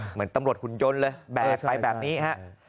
เหมือนตำรวจหุ่นยนต์เลยแบกไปแบบนี้ฮะ